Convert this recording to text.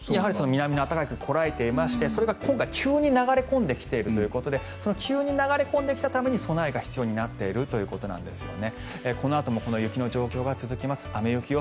南の暖かい空気が耐えていましてそれが今回、急に流れ込んできているということで急に流れ込んできたために備えが必要になってきているということなんですよね。